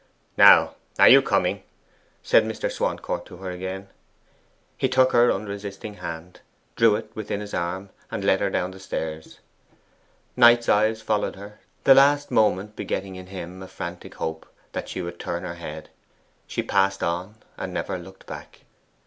'Now, are you coming?' said Mr. Swancourt to her again. He took her unresisting hand, drew it within his arm, and led her down the stairs. Knight's eyes followed her, the last moment begetting in him a frantic hope that she would turn her head. She passed on, and never looked back.